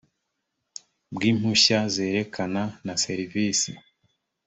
bw impushya zerekeranye na serivisi